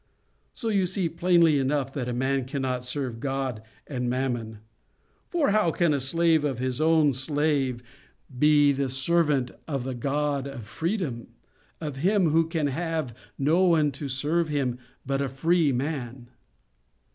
So you see plainly enough that a man cannot serve God and Mammon. For how can a slave of his own slave be the servant of the God of freedom, of Him who can have no one to serve Him but a free man?